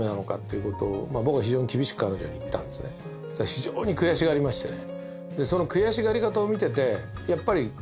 非常に悔しがりましてね。